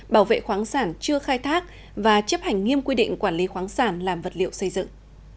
bảo vệ khoáng sản chưa khai thác và chấp hành nghiêm quy định quản lý khoáng sản làm vật liệu xây dựng